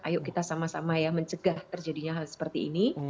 ayo kita sama sama ya mencegah terjadinya hal seperti ini